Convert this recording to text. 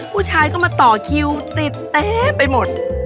ผู้ชายก็มาต่อคิวติดเต็มไปหมด